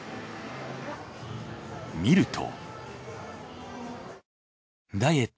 見ると。